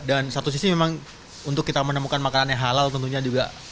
dan satu sisi memang untuk kita menemukan makanan yang halal tentunya juga